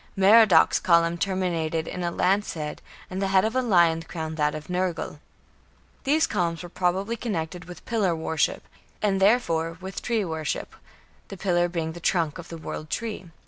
Merodach's column terminated in a lance head, and the head of a lion crowned that of Nergal. These columns were probably connected with pillar worship, and therefore with tree worship, the pillar being the trunk of the "world tree".